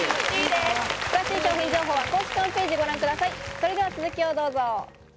詳しい商品情報は公式ホームページをご覧ください。